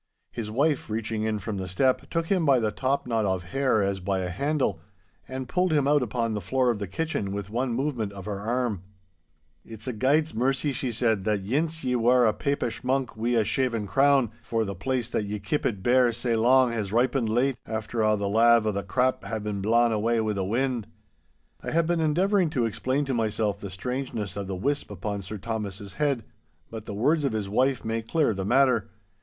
His wife, reaching in from the step, took him by the top knot of hair as by a handle, and pulled him out upon the floor of the kitchen with one movement of her arm. 'It's a guid's mercy,' she cried, 'that yince ye war a papish monk wi' a shaven crown, for the place that ye keepit bare sae lang has ripened late, after a' the lave o' the crap has been blawn awa' wi' the wind.' I had been endeavouring to explain to myself the strangeness of the wisp upon Sir Thomas's head, but the words of his wife made clear the matter.